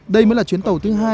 đây mới là chuyến tàu thứ hai